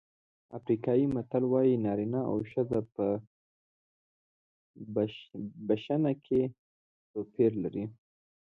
افریقایي متل وایي نارینه او ښځه په بښنه کې توپیر لري.